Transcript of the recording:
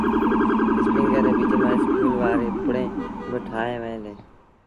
اسپيٚنگر ري ٻج مآݩ اسپگول وآريٚݩ پُڙيٚن با ٺوهيݩ ديٚݩ۔